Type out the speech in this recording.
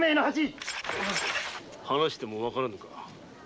話してもわからぬのか。